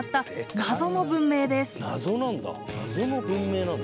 謎なんだ。